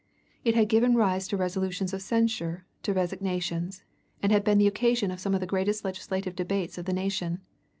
It had given rise to resolutions of censure, to resignations, and had been the occasion of some of the greatest legislative debates of the nation.